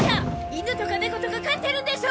イヌとかネコとか飼ってるんでしょ！